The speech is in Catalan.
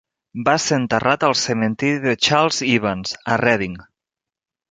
Va ser enterrat al cementiri de Charles Evans a Reading.